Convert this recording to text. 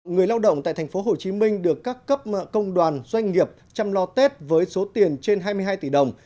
người lao động tại tp hcm được các cấp công đoàn doanh nghiệp chăm lo tết với số tiền trên hai mươi hai tỷ đồng